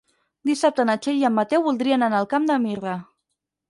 Dissabte na Txell i en Mateu voldrien anar al Camp de Mirra.